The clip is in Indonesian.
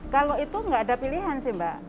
kalau itu nggak ada pilihan sih mbak